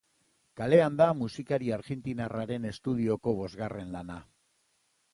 Kalean da musikari argentinarraren estudioko bosgarren lana.